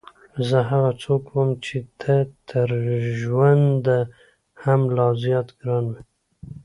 زه هغه څوک وم چې ته تر ژونده هم لا زیات ګران وې.